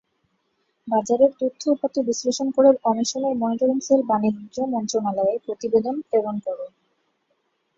বাজারের তথ্য-উপাত্ত বিশ্লেষণ করে কমিশনের ‘মনিটরিং সেল’ বাণিজ্য মন্ত্রণালয়ে প্রতিবেদন প্রেরণ করে।